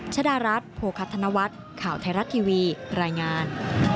ชดารัฐโภคัธนวัฒน์ข่าวไทยรัฐทีวีรายงาน